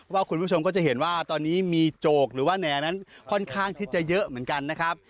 คุณผู้ชมก็จะเห็นว่าตอนนี้มีโจกหรือว่าแหน่นั้นค่อนข้างที่จะเยอะเหมือนกันนะครับ